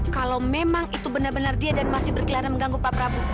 kalau memang itu benar benar dia dan masih berkeliaran mengganggu pak prabowo